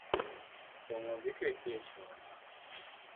Kong’o dhi keti echode